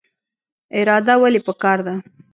اراده ولې پکار ده؟